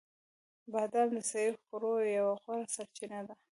بادام د صحي خوړو یوه غوره سرچینه ده.